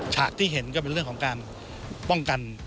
ฉากที่เห็นก็เป็นเรื่องของการป้องกัน